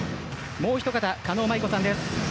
もうひと方、狩野舞子さんです。